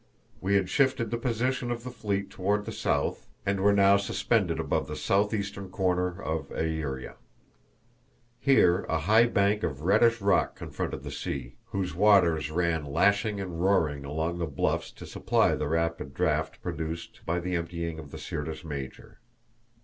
We had shifted the position of the fleet toward the south, and were now suspended above the southeastern corner of Aeria. Here a high bank of reddish rock confronted the sea, whose waters ran lashing and roaring along the bluffs to supply the rapid draught produced by the emptying of the Syrtis Major.